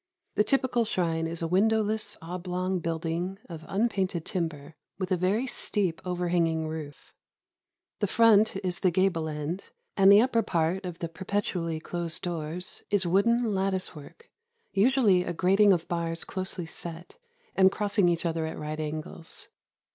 The typi cal shrine is a windowless oblong building of unpainted timber, with a very steep overhanging roof; the front is the gable end; and the upper part of the perpetually closed doors is wooden lattice work, — usually a grating of bars closely set and crossing each other at right an gles.